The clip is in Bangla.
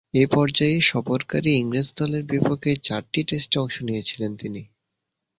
এ পর্যায়ে সফরকারী ইংরেজ দলের বিপক্ষে চারটি টেস্টে অংশ নিয়েছিলেন তিনি।